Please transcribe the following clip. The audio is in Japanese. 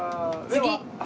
次。